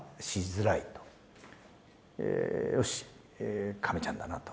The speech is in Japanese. よし亀ちゃんだなと。